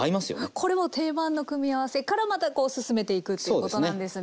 これも定番の組み合わせからまたこう進めていくっていうことなんですね。